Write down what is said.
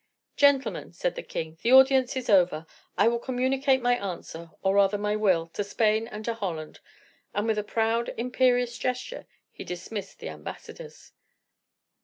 "Gentlemen," said the king, "the audience is over; I will communicate my answer, or rather my will, to Spain and to Holland;" and with a proud, imperious gesture, he dismissed the ambassadors.